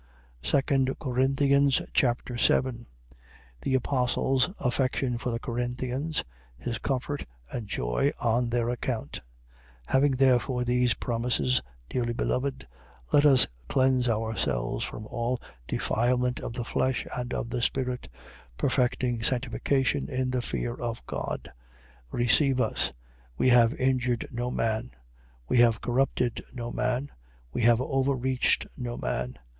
2 Corinthians Chapter 7 The apostle's affection for the Corinthians. His comfort and joy on their account. 7:1. Having therefore these promises, dearly beloved, let us cleanse ourselves from all defilement of the flesh and of the spirit, perfecting sanctification in the fear of God. 7:2. Receive us. We have injured no man: we have corrupted no man: we have overreached no man.